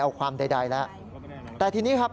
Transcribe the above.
เอาความใดแล้วแต่ทีนี้ครับ